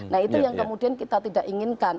nah itu yang kemudian kita tidak inginkan